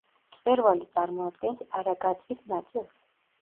მწვერვალი წარმოადგენს არაგაწის ნაწილს.